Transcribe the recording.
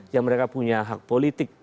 yang mereka punya hak politik